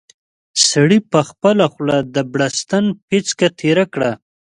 سړي په خپله خوله د بړستن پېڅکه تېره کړه.